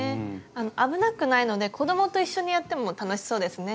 あの危なくないので子供と一緒にやっても楽しそうですね。